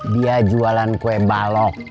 dia jualan kue balok